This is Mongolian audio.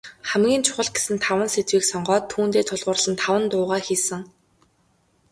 Хамгийн чухал гэсэн таван сэдвийг сонгоод, түүндээ тулгуурлан таван дуугаа хийсэн.